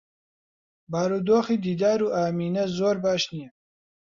بارودۆخی دیدار و ئامینە زۆر باش نییە.